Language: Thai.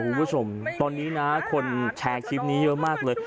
คุณผู้ชมตอนนี้นะคนแชร์คลิปนี้เยอะมากเลย